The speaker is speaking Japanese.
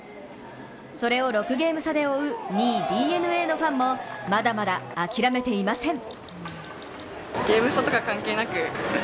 それを６ゲーム差で追う、２位ＤｅＮＡのファンもまだまだ諦めていません。